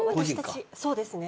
そうですね。